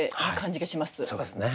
そうですね。